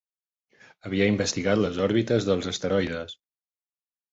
Havia investigat les òrbites dels asteroides.